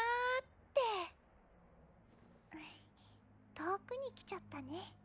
遠くに来ちゃったね。